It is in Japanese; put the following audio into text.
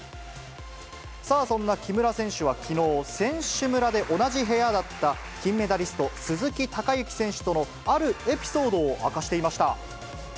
さあ、そんな木村選手はきのう、選手村で同じ部屋だった金メダリスト、鈴木孝幸選手との、あるエピソードを明かしていました。